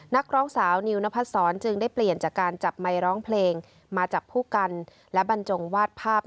นักร้องสาวนิวนพัดศรจึงได้เปลี่ยนจากการจับไมค์ร้องเพลงมาจับคู่กันและบรรจงวาดภาพ